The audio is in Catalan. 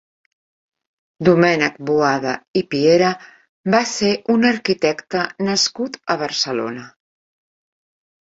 Domènec Boada i Piera va ser un arquitecte nascut a Barcelona.